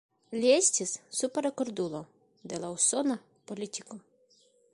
Li estis "Super-rekordulo" de la usona politiko.